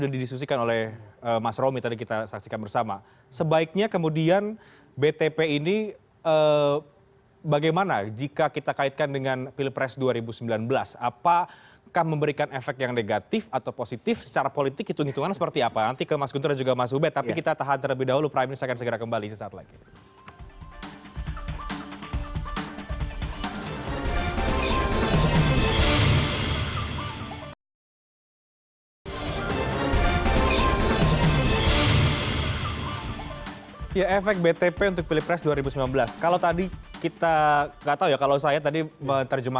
masih banyak orang yang masih bisa bekerja